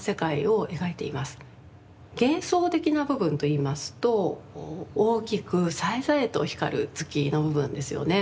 幻想的な部分といいますと大きくさえざえと光る月の部分ですよね。